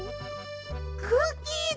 クッキーだ！